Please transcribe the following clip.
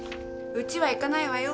うちは行かないわよ。